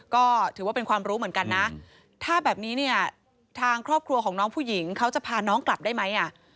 ก็ถือว่าเป็นความรู้เหมือนกันนะถ้าแบบนี้เนี่ยทางครอบครัวของน้องผู้หญิงเขาจะพาน้องกลับได้ไหมอ่ะ